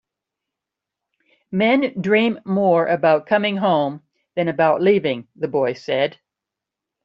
"Men dream more about coming home than about leaving," the boy said.